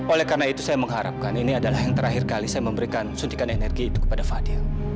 oleh karena itu saya mengharapkan ini adalah yang terakhir kali saya memberikan suntikan energi itu kepada fadil